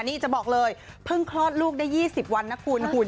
นี่จะบอกเลยเพิ่งคลอดลูกได้๒๐วันนะคุณหุ่น